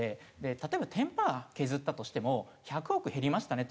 例えば１０パー削ったとしても１００億減りましたねと。